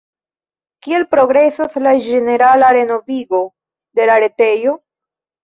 Kiel progresas la ĝenerala renovigo de la retejo?